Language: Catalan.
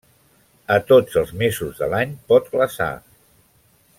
A tots els mesos de l'any pot glaçar.